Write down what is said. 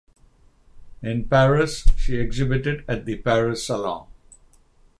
In Paris she exhibited at the Paris Salon.